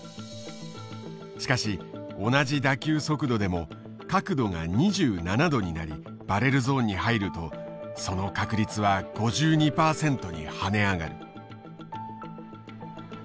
しかし同じ打球速度でも角度が２７度になりバレルゾーンに入るとその確率は５２％に跳ね上がる。